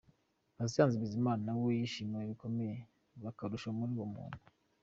Patient Bizimana na we yishimiwe bikomeye biba akarusho muri 'Ubwo buntu'.